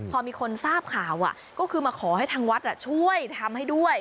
พอมีคนทราบข่าวก็คือมาขอให้ทางวัดช่วยทำให้ด้วย